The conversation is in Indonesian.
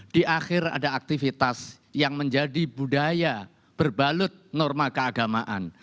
di akhir ada aktivitas yang menjadi budaya berbalut norma keagamaan